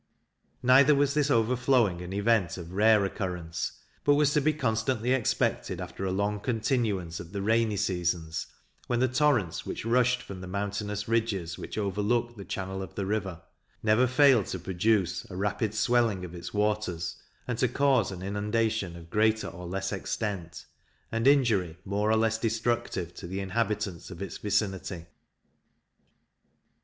Neither was this overflowing an event of rare occurrence, but was to be constantly expected after a long continuance of the rainy seasons, when the torrents which rushed from the mountainous ridges which overlooked the channel of the river never failed to produce a rapid swelling of its waters, and to cause an inundation of greater or less extent, and injury more or less destructive to the inhabitants of its vicinity.